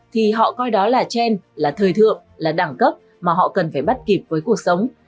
thì họ coi đó là trên là thời thượng là đẳng cấp mà họ cần phải bắt kịp với cuộc sống